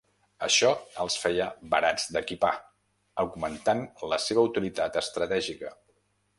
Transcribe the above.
Això els feia barats d'equipar, augmentant la seva utilitat estratègica.